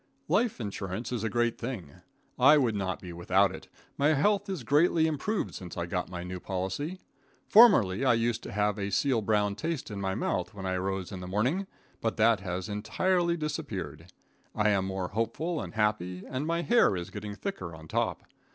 Life insurance is a great thing. I would not be without it. My health is greatly improved since I got my new policy. Formerly I used to have a seal brown taste in my mouth when I arose in the morning, but that has entirely disappeared. I am more hopeful and happy, and my hair is getting thicker on top.